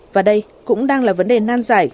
và đây cũng đang là vấn đề nan giải